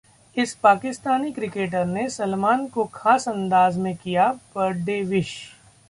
इस पाकिस्तानी क्रिकेटर ने Salman को खास अंदाज में किया बर्थडे विश